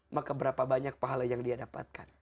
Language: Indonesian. maka berapa banyak pahala yang dia dapatkan